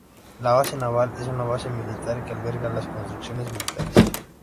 La base naval es una base militar que alberga las construcciones militares.